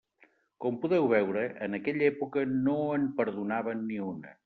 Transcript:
Com podeu veure, en aquella època no en perdonàvem ni una.